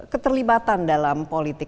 keterlibatan dalam politik